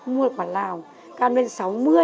mua quả lào cam lên sáu mươi đồng